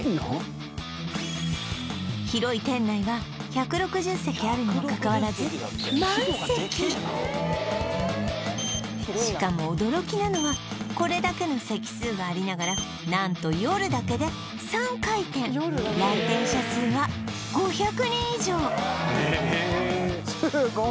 広い店内は１６０席あるにも関わらずしかも驚きなのはこれだけの席数がありながら何と夜だけで３回転来店者数はええっ！？